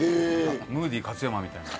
ムーディ勝山みたいな。